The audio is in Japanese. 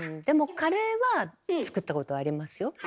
でもカレーは作ったことありますよ。